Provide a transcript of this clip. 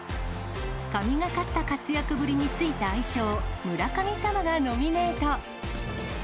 神がかった活躍ぶりに付いた愛称、村神様がノミネート。